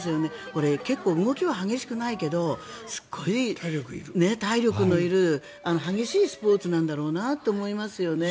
これ、結構動きは激しくないけどすごく体力のいる激しいスポーツなんだろうなと思いますよね。